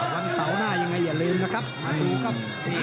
วันเสาร์หน้ายังไงอย่าลืมนะครับมาดูครับ